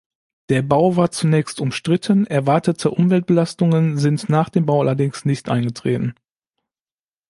Der Bau war zunächst umstritten, erwartete Umweltbelastungen sind nach dem Bau allerdings nicht eingetreten.